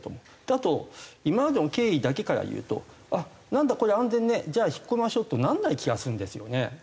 あと今までの経緯だけから言うと「あっなんだこれ安全ね。じゃあ引っ込めましょう」とならない気がするんですよねこれ。